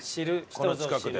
この近くで。